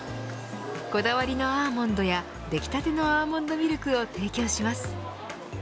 こだわりのアーモンドや出来たてのアーモンドミルクを提供します